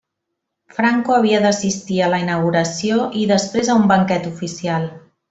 Franco havia d'assistir a la inauguració i després a un banquet oficial.